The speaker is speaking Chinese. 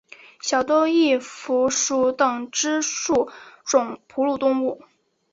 小兜翼蝠属等之数种哺乳动物。